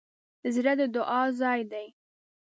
زړه د دعا ځای دی.